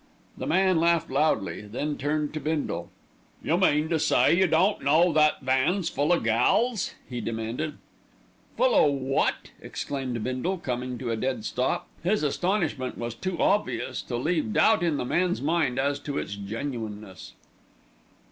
The man laughed loudly. Then turned to Bindle. "You mean to say you don't know that van's full o' gals?" he demanded. "Full o' wot?" exclaimed Bindle, coming to a dead stop. His astonishment was too obvious to leave doubt in the man's mind as to its genuineness.